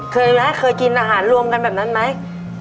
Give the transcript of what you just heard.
เคยไหมเคยกินอาหารรวมกันแบบนั้นไหม